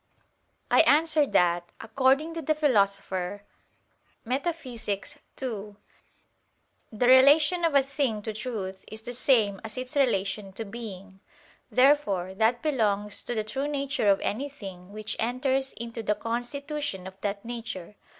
I answer that, According to the Philosopher (Metaph. ii), "The relation of a thing to truth is the same as its relation to being." Therefore that belongs to the true nature of any thing which enters into the constitution of that nature.